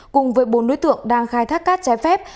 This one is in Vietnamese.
cùng với bốn đối tượng đang khai thác cát trái phép